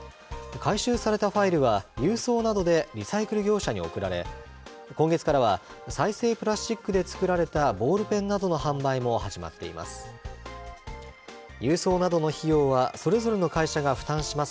回収されたファイルは郵送などでリサイクル業者に送られ、今月からは再生プラスチックで作られたボールペンなどの販売も始まっています。